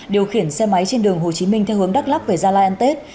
điều khiển xe máy trên đường hồ chí minh theo hướng đắk lắc về gia lai ăn tết